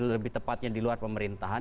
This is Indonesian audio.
lebih tepatnya di luar pemerintahan